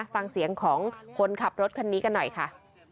ฟังเสียงของคนขับรถคันนี้กันหน่อยค่ะ